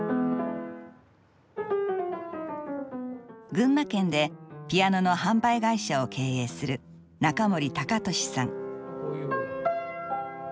群馬県でピアノの販売会社を経営する中森隆利さん。